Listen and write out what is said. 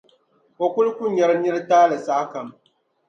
O kul ku nyari nir’ taali sahakam.